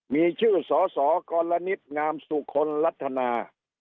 มีชื่อฉอซอก่อนละนิดหงามสุขคนลัทธนา